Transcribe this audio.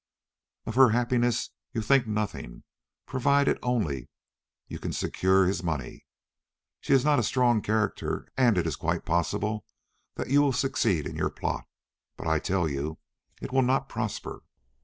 Of her happiness you think nothing, provided only you can secure his money. She is not a strong character, and it is quite possible that you will succeed in your plot, but I tell you it will not prosper.